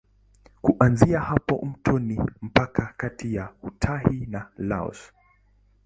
Kuanzia hapa mto ni mpaka kati ya Uthai na Laos.